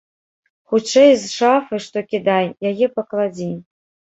Хутчэй з шафы што кідай, яе пакладзі.